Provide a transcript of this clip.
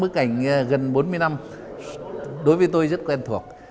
bức ảnh gần bốn mươi năm đối với tôi rất quen thuộc